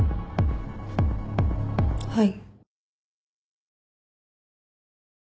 はい。